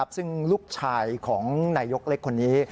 ซึ่งลูกชายของนายยกเล็กคนนี้